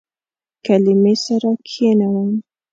کلمې سره کښینوم